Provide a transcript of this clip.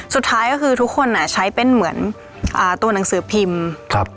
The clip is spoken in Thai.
สุดท้ายก็คือทุกคนใช้เป็นเหมือนตัวหนังสือพิมพ์